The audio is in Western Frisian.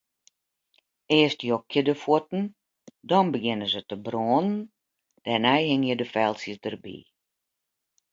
Earst jokje de fuotten, dan begjinne se te brânen, dêrnei hingje de feltsjes derby.